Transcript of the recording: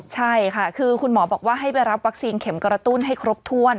ใช่ค่ะคือคุณหมอบอกว่าให้ไปรับวัคซีนเข็มกระตุ้นให้ครบถ้วน